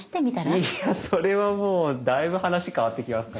いやそれはもうだいぶ話変わってきますからね。